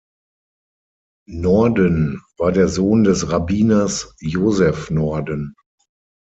Norden war der Sohn des Rabbiners Joseph Norden.